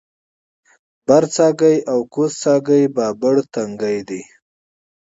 برڅاګی او کوز څاګی بابړ تنګی دی